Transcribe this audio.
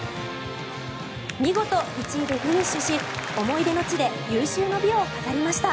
見事１位でフィニッシュし思い出の地で有終の美を飾りました。